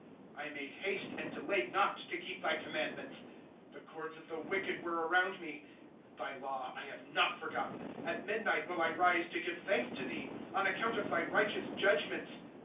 Google <* I made haste and delayed not, To keep thy commandmenta *i The cords of the wicked were around me ; Thy law I have not forgotten. 82 At midnight will I rise to give thanks to thee, Oq account of thy righteous judgments.